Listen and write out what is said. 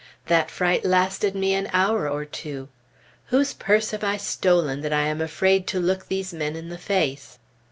That fright lasted me an hour or two. Whose purse have I stolen, that I am afraid to look these men in the face?